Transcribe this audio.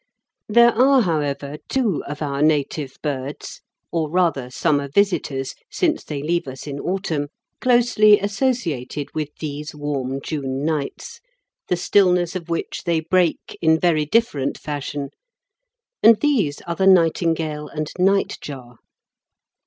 There are, however, two of our native birds, or rather summer visitors, since they leave us in autumn, closely associated with these warm June nights, the stillness of which they break in very different fashion, and these are the nightingale and nightjar.